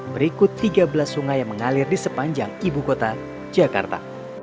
berikut tiga belas sungai yang mengalir di sepanjang ibu kota jakarta